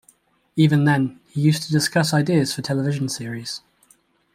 Even then, he used to discuss ideas for television series.